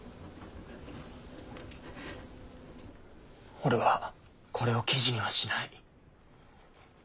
俺はこれを記事にはしない。